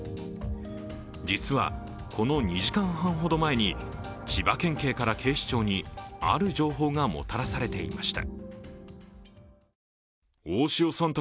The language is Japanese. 実はこの２時間半ほど前に千葉県警から警視庁にある情報がもたらされていました。